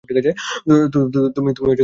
তুমি আমাকে গুলি করেছিলে।